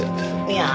いや！